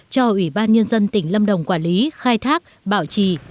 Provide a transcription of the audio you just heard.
cho ủy ban nhân dân tỉnh lâm đồng quản lý khai thác bảo trì